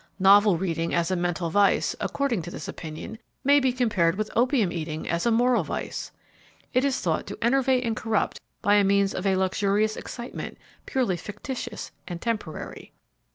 Novel reading, as a mental vice, according to this opinion, may be compared with opium eating as a moral vice. It is thought to enervate and corrupt by means of a luxurious excitement, purely fictitious and temporary.